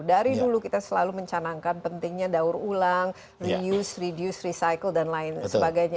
dari dulu kita selalu mencanangkan pentingnya daur ulang reuse reduce recycle dan lain sebagainya